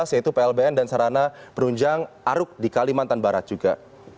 yaitu plbn dan sarana penunjang aruk di kalimantan barat juga